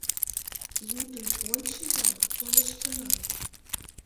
— Лудын ончо-ян, колыштына.